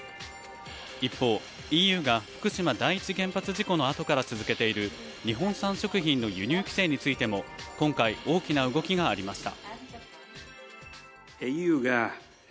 一方、ＥＵが福島第一原発のあとから続けている日本産食品の輸入規制についても今回、大きな動きがありました。